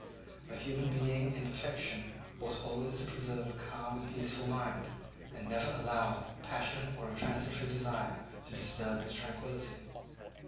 A human being in perfection ought always to preserve a calm and peaceful mind and never to allow passion or a transitory desire to disturb his tranquillity.